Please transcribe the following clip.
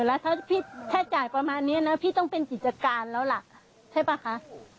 แล้วถ้าจ่ายประมาณนี้นะพี่ต้องเป็นกิจการแล้วล่ะใช่ป่ะคะ